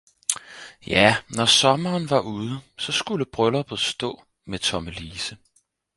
Ja når sommeren var ude, så skulle brylluppet stå med tommelise